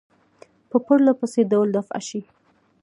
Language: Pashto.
په پرله پسې ډول دفع شي.